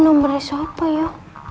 ini nomernya siapa ya